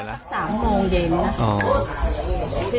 ตั้งแต่สามโมงเย็นอ่ะ